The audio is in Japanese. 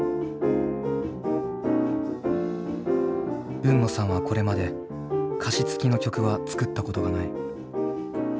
海野さんはこれまで歌詞つきの曲は作ったことがない。